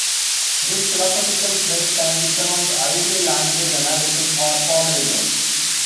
This philosophical trend can be termed "ideal-language analysis" or "formalism".